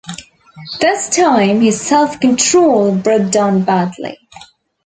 This time his self-control broke down badly.